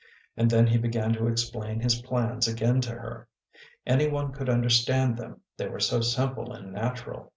And then he began to explain his plans again to her. Any one could understand them, they were so simple and natural.